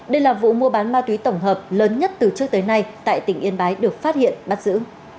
đây là vụ mua bán ma túy tổng hợp lớn nhất từ trước tới nay tại tỉnh yên bái được phát hiện bắt giữ